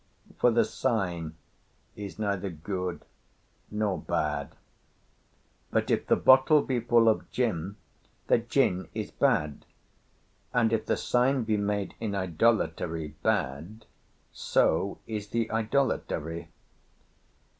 For the sign is neither good nor bad. But if the bottle be full of gin, the gin is bad; and if the sign be made in idolatry bad, so is the idolatry.